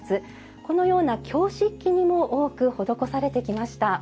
このような京漆器にも多く施されてきました。